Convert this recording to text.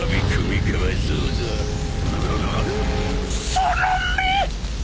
その目！